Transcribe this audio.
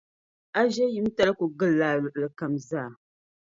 A ʒiɛyimtali kul gilila a luɣili kam zaa.